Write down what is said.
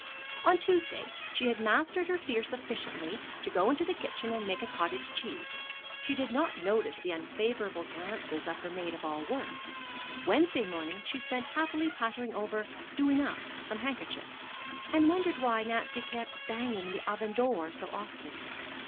On Tuesday she had mastered her fear sufficiently to go into the kitchen and make a cottage cheese. She did not notice the unfavorable glances of her maid of all work. Wednesday morning she spent happily puttering over "doing up" some handkerchiefs, and she wondered why Nancy kept banging the oven door so often.